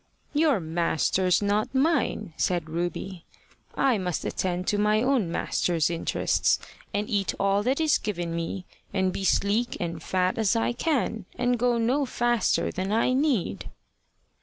"Your master's not mine," said Ruby. "I must attend to my own master's interests, and eat all that is given me, and be sleek and fat as I can, and go no faster than I need."